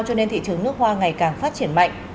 cho nên thị trường nước hoa ngày càng phát triển mạnh